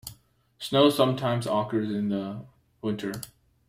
Snow sometimes occurs in the winter.